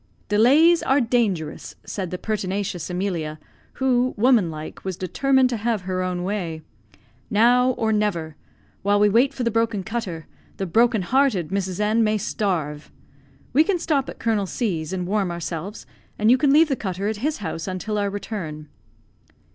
"Delays are dangerous," said the pertinacious Emilia, who, woman like, was determined to have her own way. "Now, or never. While we wait for the broken cutter, the broken hearted Mrs. N may starve. We can stop at Colonel C 's and warm ourselves, and you can leave the cutter at his house until our return."